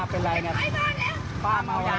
เพียงอ่ะ